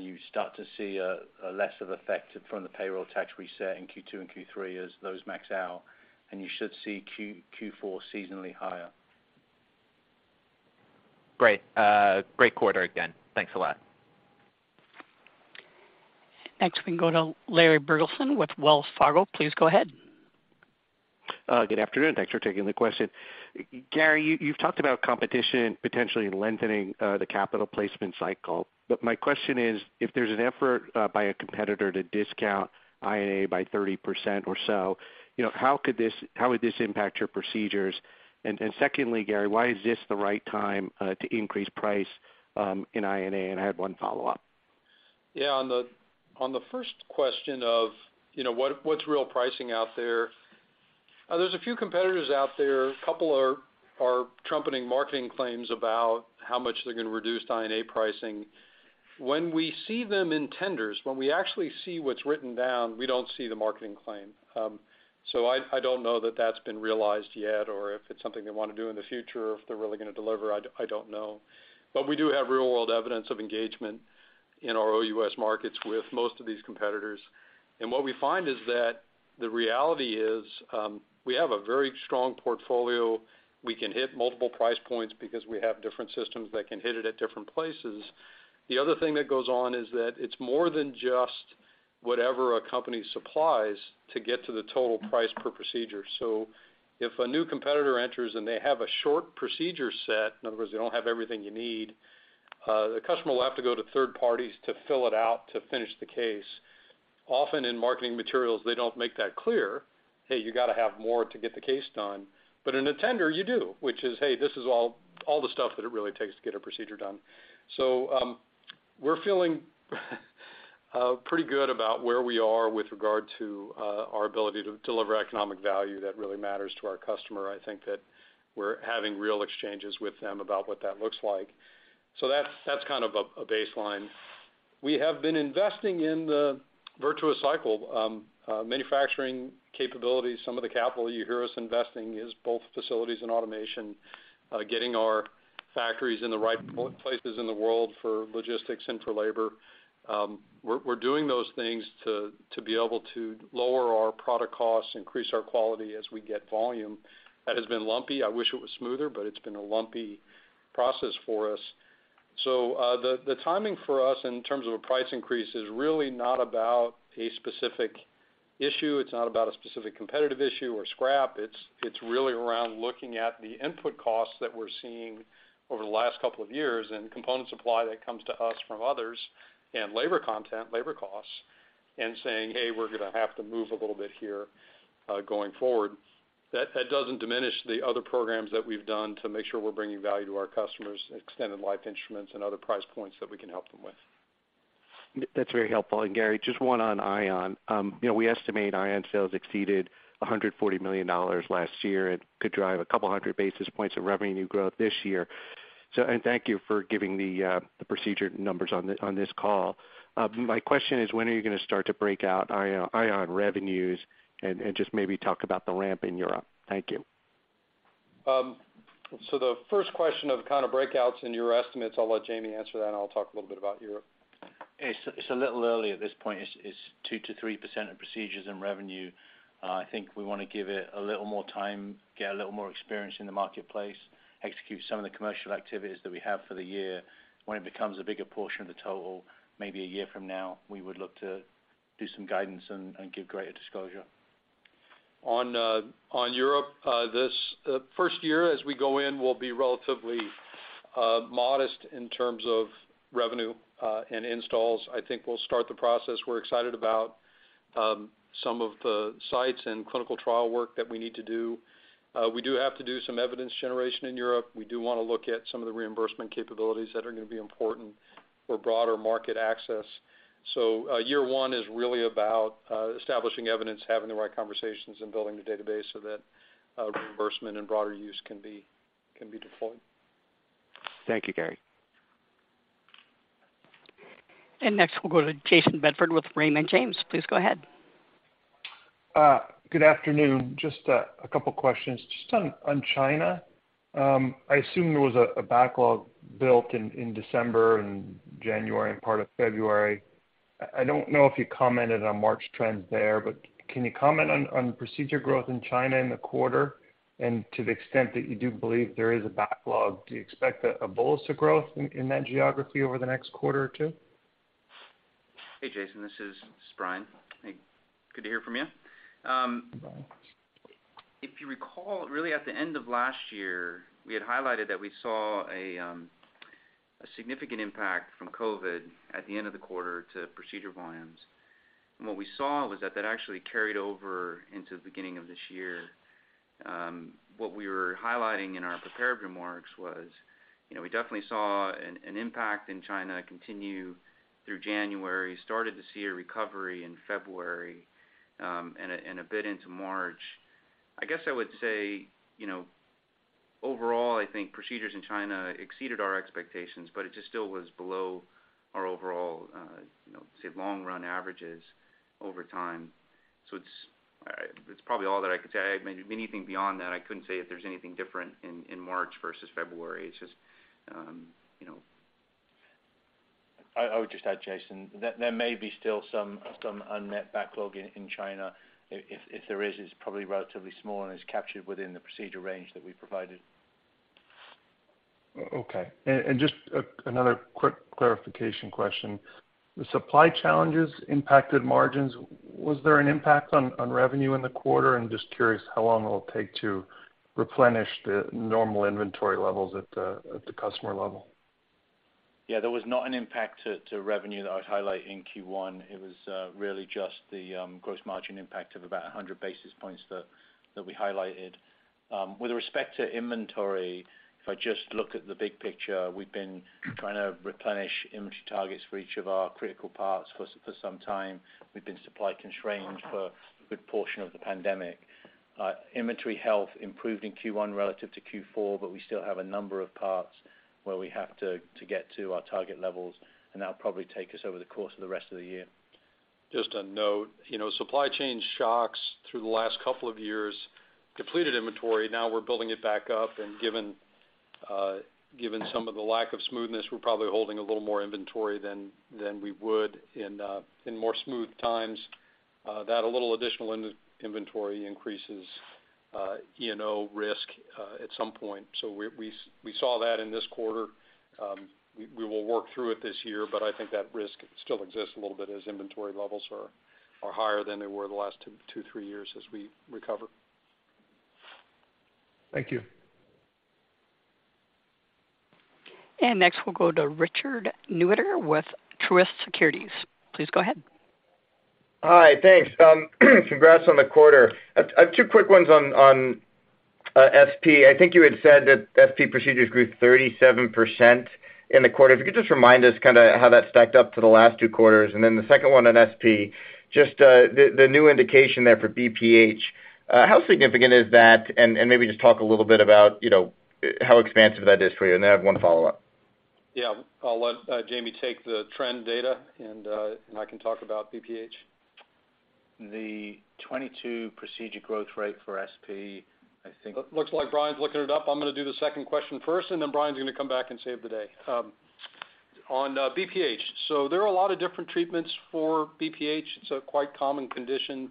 You start to see a less of effect from the payroll tax reset in Q2 and Q3 as those max out. You should see Q4 seasonally higher. Great. great quarter again. Thanks a lot. Next, we can go to Larry Biegelsen with Wells Fargo. Please go ahead. Good afternoon. Thanks for taking the question. Gary, you've talked about competition potentially lengthening the capital placement cycle. My question is, if there's an effort by a competitor to discount INA by 30% or so, you know, how would this impact your procedures? Secondly, Gary, why is this the right time to increase price in INA? I have one follow-up. On the first question of, you know, what's real pricing out there's a few competitors out there. A couple are trumpeting marketing claims about how much they're gonna reduce INA pricing. When we see them in tenders, when we actually see what's written down, we don't see the marketing claim. I don't know that that's been realized yet, or if it's something they wanna do in the future, or if they're really gonna deliver. I don't know. We do have real-world evidence of engagement in our OUS markets with most of these competitors. What we find is that the reality is, we have a very strong portfolio. We can hit multiple price points because we have different systems that can hit it at different places. The other thing that goes on is that it's more than just whatever a company supplies to get to the total price per procedure. If a new competitor enters, and they have a short procedure set, in other words, they don't have everything you need, the customer will have to go to third parties to fill it out to finish the case. Often in marketing materials, they don't make that clear, "Hey, you gotta have more to get the case done." In a tender, you do, which is, "Hey, this is all the stuff that it really takes to get a procedure done." We're feeling pretty good about where we are with regard to our ability to deliver economic value that really matters to our customer. I think that we're having real exchanges with them about what that looks like. That's kind of a baseline. We have been investing in the virtuous cycle manufacturing capabilities. Some of the capital you hear us investing is both facilities and automation, getting our factories in the right places in the world for logistics and for labor. We're doing those things to be able to lower our product costs, increase our quality as we get volume. That has been lumpy. I wish it was smoother, but it's been a lumpy process for us. The timing for us in terms of a price increase is really not about a specific issue. It's not about a specific competitive issue or scrap. It's really around looking at the input costs that we're seeing over the last couple of years and component supply that comes to us from others and labor content, labor costs, and saying, "Hey, we're gonna have to move a little bit here, going forward." That doesn't diminish the other programs that we've done to make sure we're bringing value to our customers, extended life instruments and other price points that we can help them with. That's very helpful. Gary, just one on Ion. you know, we estimate Ion sales exceeded $140 million last year and could drive a couple hundred basis points of revenue growth this year. Thank you for giving the procedure numbers on this call. My question is, when are you gonna start to break out Ion revenues and just maybe talk about the ramp in Europe? Thank you. The first question of kind of breakouts in your estimates, I'll let Jamie answer that, and I'll talk a little bit about Europe. It's a little early at this point. It's 2% to 3% of procedures and revenue. I think we wanna give it a little more time, get a little more experience in the marketplace, execute some of the commercial activities that we have for the year. When it becomes a bigger portion of the total, maybe a year from now, we would look to do some guidance and give greater disclosure. On Europe, this 1st year as we go in will be relatively modest in terms of revenue and installs. I think we'll start the process. We're excited about some of the sites and clinical trial work that we need to do. We do have to do some evidence generation in Europe. We do wanna look at some of the reimbursement capabilities that are gonna be important for broader market access. Year 1 is really about establishing evidence, having the right conversations, and building the database so that reimbursement and broader use can be deployed. Thank you, Gary. Next, we'll go to Jayson Bedford with Raymond James. Please go ahead. Good afternoon. Just a couple questions. Just on China, I assume there was a backlog built in December and January and part of February. I don't know if you commented on March trends there, but can you comment on procedure growth in China in the quarter? To the extent that you do believe there is a backlog, do you expect a bolster growth in that geography over the next quarter or 2? Hey, Jayson. This is Brian. Hey, good to hear from you. If you recall, really at the end of last year, we had highlighted that we saw a. A significant impact from COVID at the end of the quarter to procedure volumes. What we saw was that actually carried over into the beginning of this year. What we were highlighting in our prepared remarks was, you know, we definitely saw an impact in China continue through January, started to see a recovery in February, and a bit into March. I guess I would say, you know, overall, I think procedures in China exceeded our expectations, but it just still was below our overall, you know, say long run averages over time. It's probably all that I could say. I mean, anything beyond that, I couldn't say if there's anything different in March versus February. It's just, you know. I would just add, Jayson, there may be still some unmet backlog in China. If there is, it's probably relatively small and is captured within the procedure range that we provided. Okay. Just another quick clarification question. The supply challenges impacted margins. Was there an impact on revenue in the quarter? I'm just curious how long it'll take to replenish the normal inventory levels at the customer level. Yeah, there was not an impact to revenue that I'd highlight in Q1. It was really just the gross margin impact of about 100 basis points that we highlighted. With respect to inventory, if I just look at the big picture, we've been trying to replenish inventory targets for each of our critical parts for some time. We've been supply constrained for a good portion of the pandemic. Inventory health improved in Q1 relative to Q4, but we still have a number of parts where we have to get to our target levels, and that'll probably take us over the course of the rest of the year. Just a note. You know, supply chain shocks through the last couple of years depleted inventory. Now we're building it back up. Given some of the lack of smoothness, we're probably holding a little more inventory than we would in more smooth times. That a little additional inventory increases E&O risk at some point. We saw that in this quarter. We will work through it this year, but I think that risk still exists a little bit as inventory levels are higher than they were the last two, three years as we recover. Thank you. Next, we'll go to Richard Newitter with Truist Securities. Please go ahead. Hi. Thanks. Congrats on the quarter. I've two quick ones on SP. I think you had said that SP procedures grew 37% in the quarter. If you could just remind us kinda how that stacked up to the last two quarters. Then the second one on SP, just the new indication there for BPH, how significant is that? Maybe just talk a little bit about, you know, how expansive that is for you. Then I have 1 follow-up. Yeah. I'll let Jamie take the trend data, and I can talk about BPH. The 2022 procedure growth rate for SP. Looks like Brian's looking it up. I'm gonna do the second question first, and then Brian's gonna come back and save the day. On BPH. There are a lot of different treatments for BPH. It's a quite common condition.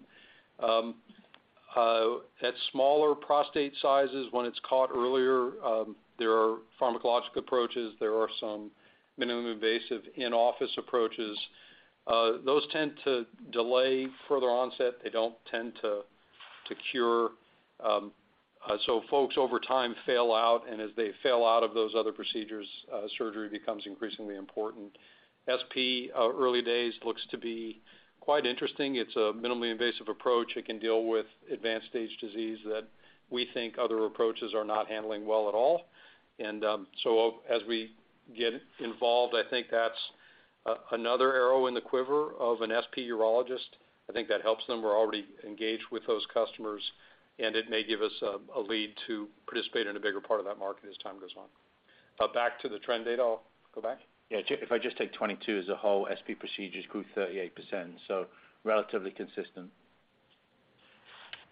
At smaller prostate sizes when it's caught earlier, there are pharmacological approaches. There are some minimum invasive in-office approaches. Those tend to delay further onset. They don't tend to cure. Folks over time fail out, and as they fail out of those other procedures, surgery becomes increasingly important. SP, early days looks to be quite interesting. It's a minimally invasive approach. It can deal with advanced stage disease that we think other approaches are not handling well at all. As we get involved, I think that's another arrow in the quiver of an SP urologist. I think that helps them. We're already engaged with those customers, and it may give us a lead to participate in a bigger part of that market as time goes on. Back to the trend data. I'll go back. Yeah. if I just take 2022 as a whole, SP procedures grew 38%, so relatively consistent.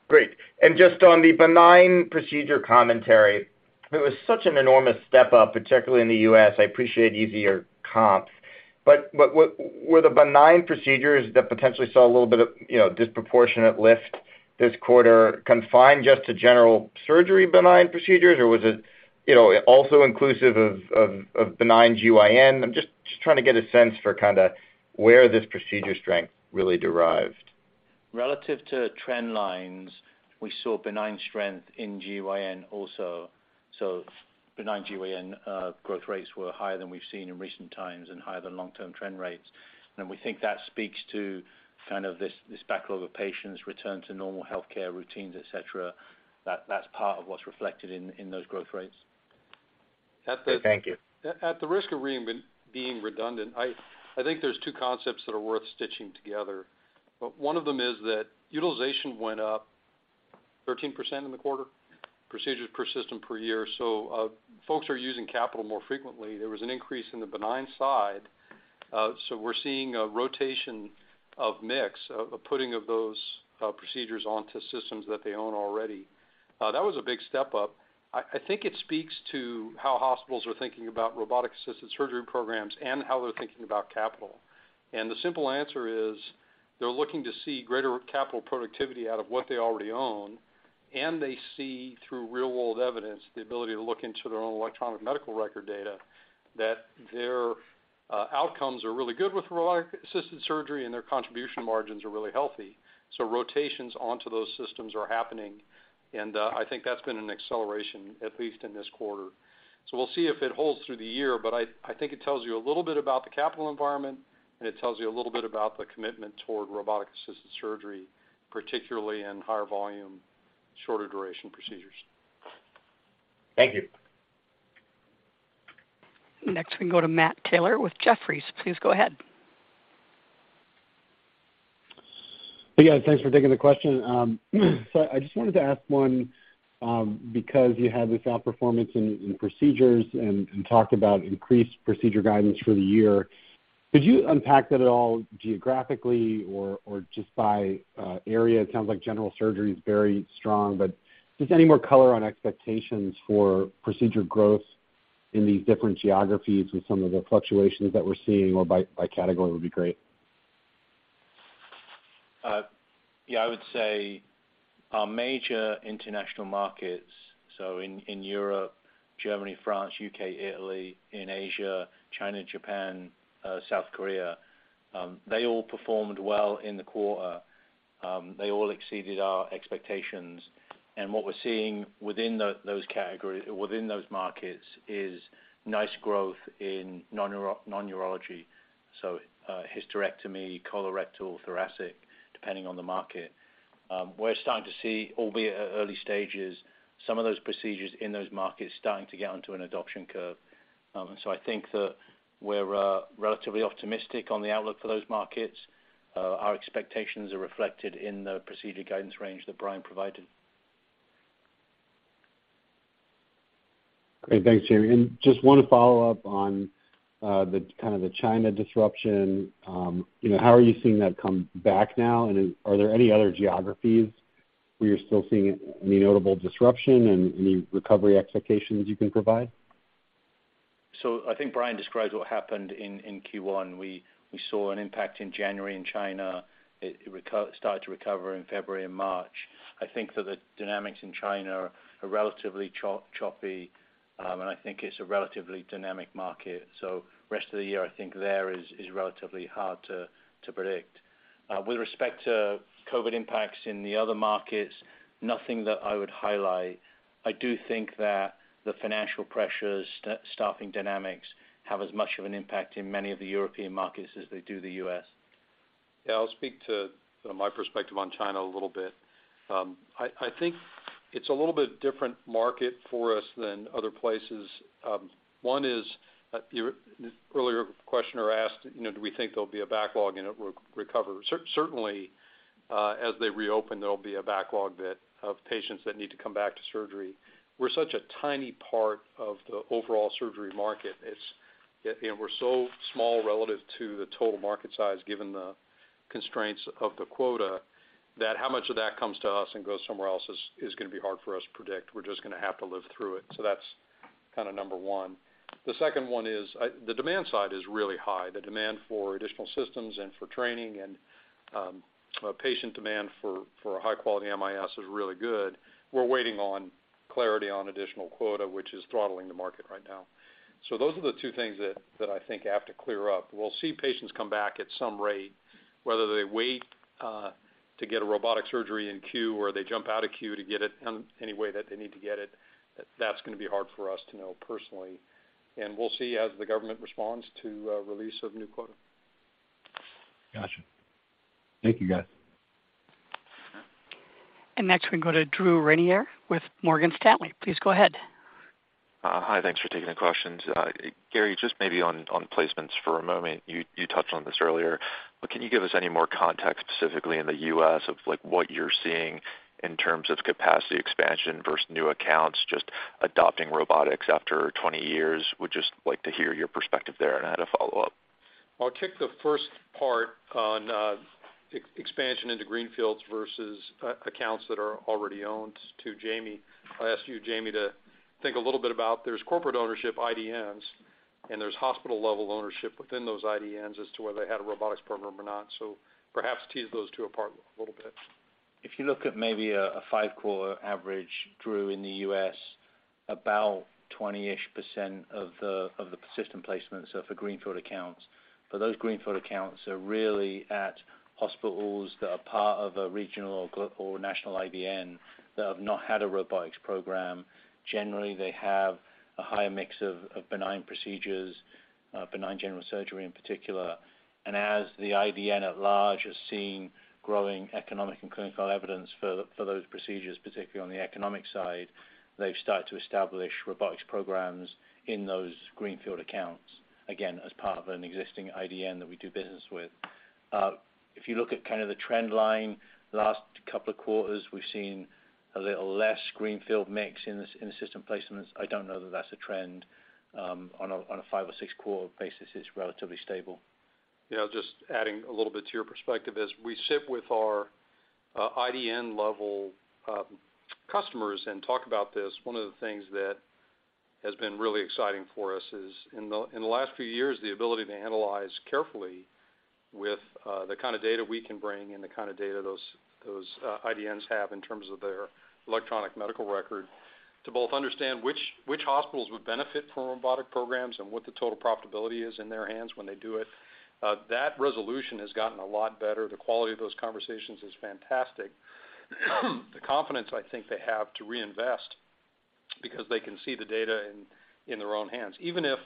Great. Just on the benign procedure commentary, it was such an enormous step up, particularly in the U.S. I appreciate easier comps. Were the benign procedures that potentially saw a little bit of, you know, disproportionate lift this quarter confined just to general surgery benign procedures, or was it, you know, also inclusive of benign GYN? I'm just trying to get a sense for kinda where this procedure strength really derived. Relative to trend lines, we saw benign strength in GYN also. Benign GYN, growth rates were higher than we've seen in recent times and higher than long-term trend rates. We think that speaks to kind of this backlog of patients return to normal healthcare routines, etc.. That's part of what's reflected in those growth rates. Okay, thank you. At the risk of being redundant, I think there's two concepts that are worth stitching together. One of them is that utilization went up 13% in the quarter, procedures per system per year. Folks are using capital more frequently. There was an increase in the benign side. We're seeing a rotation of mix, of putting of those procedures onto systems that they own already. That was a big step up. I think it speaks to how hospitals are thinking about robotic-assisted surgery programs and how they're thinking about capital. The simple answer is they're looking to see greater capital productivity out of what they already own, and they see through real-world evidence the ability to look into their own electronic medical record data that their outcomes are really good with robotic-assisted surgery, and their contribution margins are really healthy. Rotations onto those systems are happening, and I think that's been an acceleration, at least in this quarter. We'll see if it holds through the year, but I think it tells you a little bit about the capital environment, and it tells you a little bit about the commitment toward robotic-assisted surgery, particularly in higher volume, shorter duration procedures. Thank you. Next we can go to Matt Taylor with Jefferies. Please go ahead. Hey, guys. Thanks for taking the question. I just wanted to ask one, because you had this outperformance in procedures and talked about increased procedure guidance for the year, could you unpack that at all geographically or just by area? It sounds like general surgery is very strong, but just any more color on expectations for procedure growth in these different geographies with some of the fluctuations that we're seeing or by category would be great. Yeah, I would say our major international markets, so in Europe, Germany, France, U.K., Italy, in Asia, China, Japan, South Korea, they all performed well in the quarter. They all exceeded our expectations. What we're seeing within those categories, within those markets is nice growth in Non-Urology, so Hysterectomy, Colorectal, Thoracic, depending on the market. We're starting to see, albeit at early stages, some of those procedures in those markets starting to get onto an adoption curve. I think that we're relatively optimistic on the outlook for those markets. Our expectations are reflected in the procedure guidance range that Brian provided. Great. Thanks, Jamie. Just one follow-up on, the kind of the China disruption. You know, how are you seeing that come back now, and then are there any other Geographies where you're still seeing any notable disruption and any recovery expectations you can provide? I think Brian described what happened in Q1. We saw an impact in January in China. It started to recover in February and March. I think that the dynamics in China are relatively chop-choppy, and I think it's a relatively dynamic market. Rest of the year, I think there is relatively hard to predict. With respect to COVID impacts in the other markets, nothing that I would highlight. I do think that the financial pressures, staffing dynamics have as much of an impact in many of the European markets as they do the U.S.. Yeah, I'll speak to my perspective on China a little bit. I think it's a little bit different market for us than other places. One is, your earlier questioner asked, you know, do we think there'll be a backlog and it will recover. Certainly, as they reopen, there'll be a backlog bit of patients that need to come back to surgery. We're such a tiny part of the overall surgery market. It's, you know, we're so small relative to the total market size given the constraints of the quota that how much of that comes to us and goes somewhere else is gonna be hard for us to predict. We're just gonna have to live through it. That's kinda number one. The second one is, the demand side is really high. The demand for additional systems and for training and patient demand for high-quality MIS is really good. We're waiting on clarity on additional quota, which is throttling the market right now. Those are the two things that I think have to clear up. We'll see patients come back at some rate, whether they wait to get a robotic surgery in queue or they jump out of queue to get it any way that they need to get it, that's gonna be hard for us to know personally. We'll see as the government responds to release of new quota. Gotcha. Thank you, guys. Next we can go to Drew Ranieri with Morgan Stanley. Please go ahead. Hi. Thanks for taking the questions. Gary, just maybe on placements for a moment. You touched on this earlier, but can you give us any more context specifically in the U.S. of, like, what you're seeing in terms of capacity expansion versus new accounts just adopting robotics after 20 years? Would just like to hear your perspective there and add a follow-up. I'll kick the first part on, ex-expansion into greenfields versus, accounts that are already owned to Jamie. I'll ask you, Jamie, to think a little bit about there's corporate ownership IDNs, and there's hospital-level ownership within those IDNs as to whether they had a robotics program or not. Perhaps tease those two apart a little bit. If you look at maybe a five-quarter average, Drew, in the U.S., about 20-ish% of the system placements are for greenfield accounts. Those greenfield accounts are really at hospitals that are part of a regional or national IDN that have not had a robotics program. Generally, they have a higher mix of benign procedures, benign general surgery in particular. As the IDN at large is seeing growing economic and clinical evidence for those procedures, particularly on the economic side, they've started to establish robotics programs in those greenfield accounts, again, as part of an existing IDN that we do business with. If you look at kinda the trend line, last couple of quarters, we've seen a little less greenfield mix in system placements. I don't know that that's a trend. On a, on a five or six-quarter basis, it's relatively stable. Just adding a little bit to your perspective. As we sit with our IDN-level customers and talk about this, one of the things that has been really exciting for us is in the last few years, the ability to analyze carefully with the kind of data we can bring and the kind of data those IDNs have in terms of their electronic medical record to both understand which hospitals would benefit from robotic programs and what the total profitability is in their hands when they do it. That resolution has gotten a lot better. The quality of those conversations is fantastic. The confidence I think they have to reinvest because they can see the data in their own hands. Even if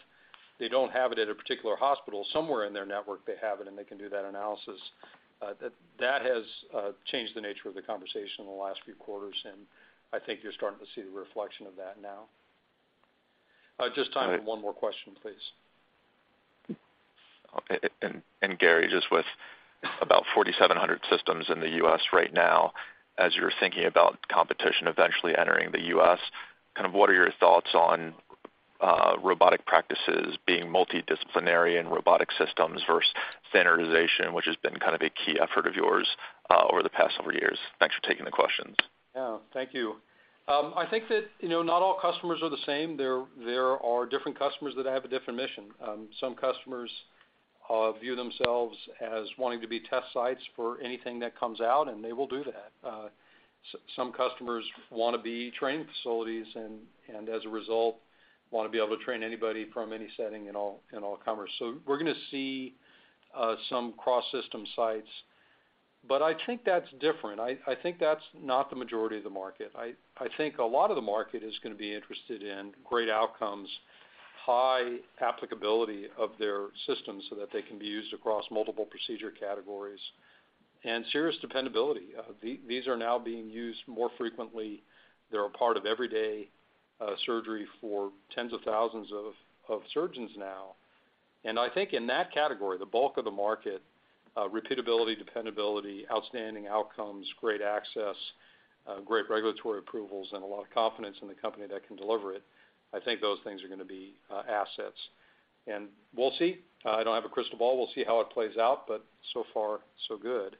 they don't have it at a particular hospital, somewhere in their network they have it and they can do that analysis. That has changed the nature of the conversation in the last few quarters, and I think you're starting to see the reflection of that now. Just time for one more question, please. Okay. Gary, just with about 4,700 systems in the US right now, as you're thinking about competition eventually entering the US, kind of what are your thoughts on robotic practices being multidisciplinary and robotic systems versus standardization, which has been kind of a key effort of yours over the past several years? Thanks for taking the questions. Yeah. Thank you. I think that, you know, not all customers are the same. There are different customers that have a different mission. Some customers view themselves as wanting to be test sites for anything that comes out, and they will do that. Some customers wanna be training facilities and, as a result, wanna be able to train anybody from any setting and all comers. We're gonna see some cross-system sites. I think that's different. I think that's not the majority of the market. I think a lot of the market is gonna be interested in great outcomes, high applicability of their systems so that they can be used across multiple procedure categories, and serious dependability. These are now being used more frequently. They're a part of everyday surgery for tens of thousands of surgeons now. I think in that category, the bulk of the market, repeatability, dependability, outstanding outcomes, great access, great regulatory approvals, and a lot of confidence in the company that can deliver it, I think those things are gonna be assets. We'll see. I don't have a crystal ball. We'll see how it plays out, but so far, so good.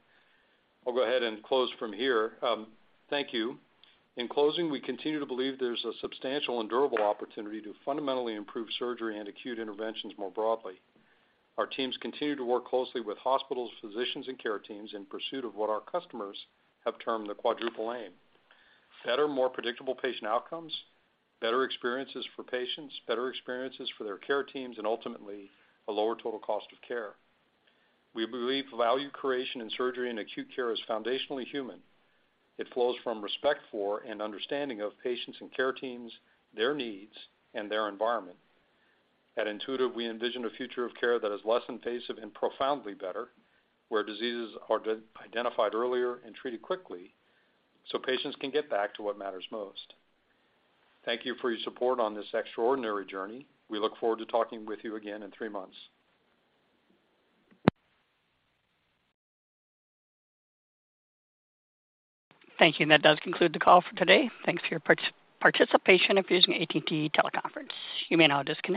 I'll go ahead and close from here. Thank you. In closing, we continue to believe there's a substantial and durable opportunity to fundamentally improve surgery and acute interventions more broadly. Our teams continue to work closely with hospitals, physicians, and care teams in pursuit of what our customers have termed the Quadruple Aim. Better, more predictable patient outcomes, better experiences for patients, better experiences for their care teams, and ultimately, a lower total cost of care. We believe value creation in surgery and acute care is foundationally human. It flows from respect for and understanding of patients and care teams, their needs and their environment. At Intuitive, we envision a future of care that is less invasive and profoundly better, where diseases are identified earlier and treated quickly, so patients can get back to what matters most. Thank you for your support on this extraordinary journey. We look forward to talking with you again in three months. Thank you. That does conclude the call for today. Thanks for your participation. If you're using AT&T teleconference, you may now disconnect.